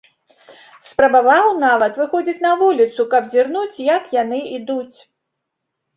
Спрабаваў нават выходзіць на вуліцу, каб зірнуць, як яны ідуць.